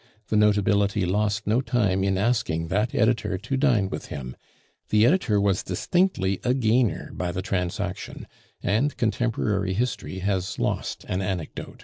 The notability lost no time in asking that editor to dine with him; the editor was distinctly a gainer by the transaction, and contemporary history has lost an anecdote.